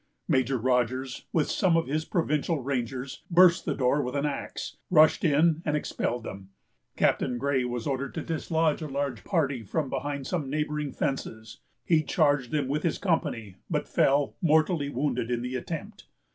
Major Rogers, with some of his provincial rangers, burst the door with an axe, rushed in, and expelled them. Captain Gray was ordered to dislodge a large party from behind some neighboring fences. He charged them with his company, but fell, mortally wounded, in the attempt.